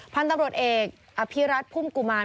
พันตำรวจเอกอภิรัตรภุมกุมาร